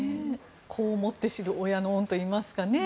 子をもって知る親の恩といいますかね。